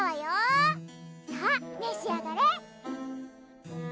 さぁめし上がれ